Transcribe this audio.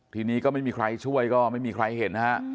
ทีนี้ก็ไม่มีใครช่วยก็ไม่มีใครเห็นนะฮะ